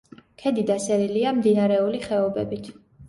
ქედი დასერილია მდინარეული ხეობებით.